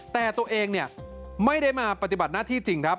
แต่ตัวเองไม่ได้มาปฏิบัติหน้าที่จริงครับ